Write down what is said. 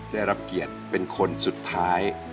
ได้รับเกียรติเป็นคนสุดท้าย